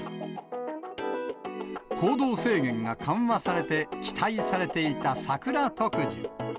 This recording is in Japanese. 行動制限が緩和されて期待されていた桜特需。